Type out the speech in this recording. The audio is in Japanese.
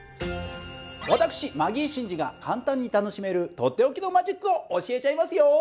私マギー審司が簡単に楽しめるとっておきのマジックを教えちゃいますよ。